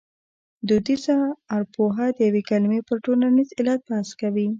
دودیزه ارپوهه د یوې کلمې پر ټولنیز علت بحث کوي